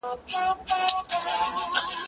زه مخکي قلم استعمالوم کړی و،